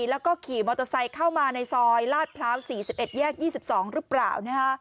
แล้วก็ขี่มอเตอร์ไซค์เข้ามาในซอยลาดพร้าว๔๑แยก๒๒หรือเปล่า